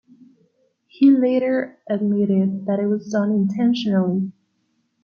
He later admitted that it was done intentionally.